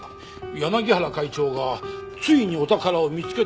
柳原会長がついにお宝を見つけたらしいって。